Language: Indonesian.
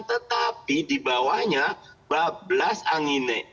tetapi di bawahnya bablas angine